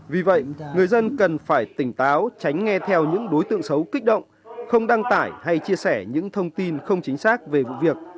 vì vậy người dân cần phải tỉnh táo tránh nghe theo những đối tượng xấu kích động không đăng tải hay chia sẻ những thông tin không chính xác về vụ việc